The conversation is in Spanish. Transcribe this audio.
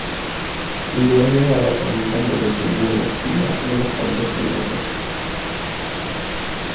Nueve a la salida me detuvo en la esquina unos cuantos minutos.